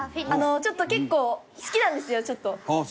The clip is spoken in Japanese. ちょっと結構好きなんですよちょっと。